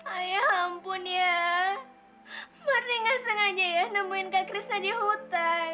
ayah ampun ya marnya nggak sengaja ya nemuin kak krisna di hutan